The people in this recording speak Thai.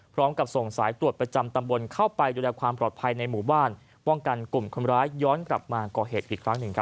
พร้อมกับส่งสายตรวจประจำตำบลเข้าไป